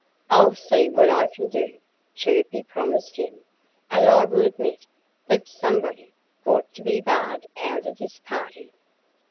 "I'll see what I can do," Chirpy promised him. "And I will admit that somebody ought to be barred out of this party."